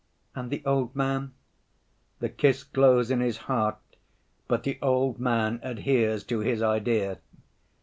"And the old man?" "The kiss glows in his heart, but the old man adheres to his idea."